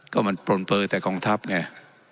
ก็มันปลนเปลือแต่กองทัพไง